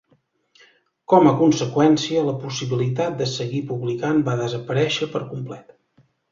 Com a conseqüència, la possibilitat de seguir publicant va desaparèixer per complet.